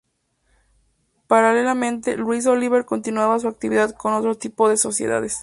Paralelamente, Luis Oliver continuaba su actividad con otro tipo de sociedades.